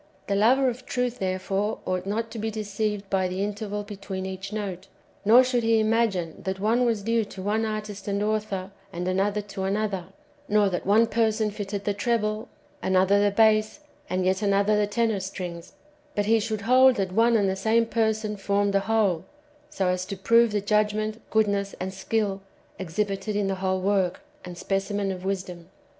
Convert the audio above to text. The lover of truth therefore ousdit not to o be deceived by the interval between each note, nor should he imagine that one was due to one artist and author, and another to another, nor that one person fitted the treble, another the bass, and yet another the tenor strings; but he should hold that one and the same person [formed the whole], so as to prove the judgment, goodness, and skill exhibited in the whole work and [specimen of] wisdom.